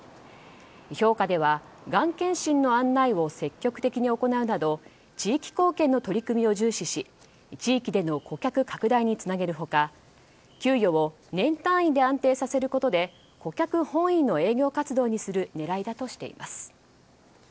評価では、がん検診の案内を積極的に行うなど地域貢献の取り組みを重視し地域での顧客拡大につなげる他給与を年単位で安定させることで顧客本位の営業活動にする狙いだとしています。